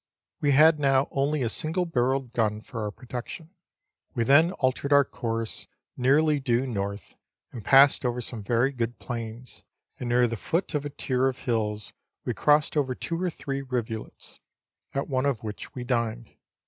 We had now only a single barrelled gun for our protection. We then altered our course nearly due north, and passed over some very good plains ; and near the foot of a tier of hills we crossed over two or three rivulets, at one of which we dined.